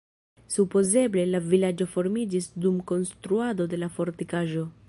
Supozeble la vilaĝo formiĝis dum konstruado de la fortikaĵo.